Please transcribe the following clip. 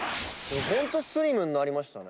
スリムになりましたね。